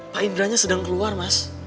pak indo nya signerang keluar mas